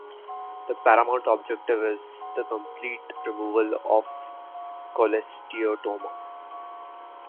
The paramount objective is the complete removal of cholesteatoma.